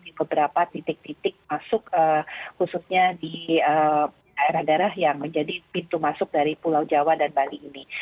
di beberapa titik titik masuk khususnya di daerah daerah yang menjadi pintu masuk dari pulau jawa dan bali ini